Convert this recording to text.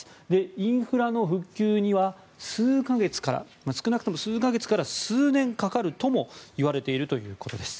インフラの復旧には少なくとも数か月から数年かかるともいわれているということです。